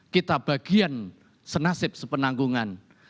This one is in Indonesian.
kita bagian senasib sepenanggungan